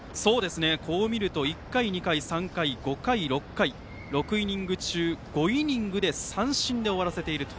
こう見ると１回、２回、３回５回、６回と６イニング中５イニングを三振で終わらせていると。